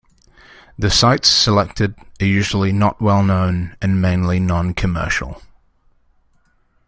The sites selected are usually not well known and mainly non-commercial.